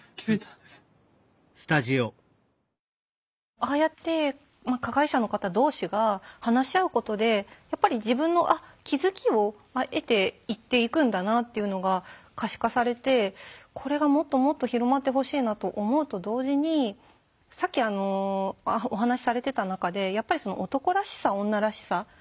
ああやって加害者の方同士が話し合うことでやっぱり自分の気付きを得ていっていくんだなっていうのが可視化されてこれがもっともっと広まってほしいなと思うと同時にさっきお話しされてた中でやっぱり「男らしさ女らしさ」。